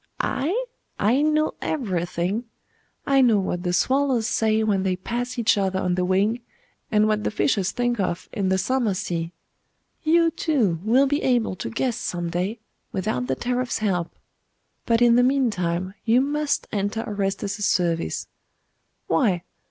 'I? I know everything. I know what the swallows say when they pass each other on the wing, and what the fishes think of in the summer sea. You, too, will be able to guess some day, without the teraph's help. But in the mean time you must enter Orestes's service. Why?